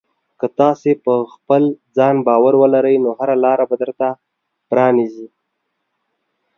که تاسې په خپل ځان باور ولرئ، نو هره لاره به درته پرانیزي.